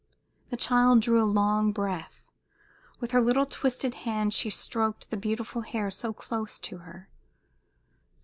The child drew a long breath. With her little, twisted hands she stroked the beautiful hair so close to her.